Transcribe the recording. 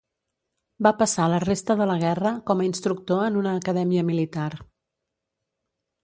Va passar la resta de la guerra com a instructor en una acadèmia militar.